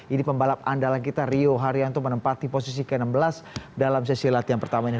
ini pembalap andalan kita rio haryanto menempati posisi ke enam belas dalam sesi latihan pertama ini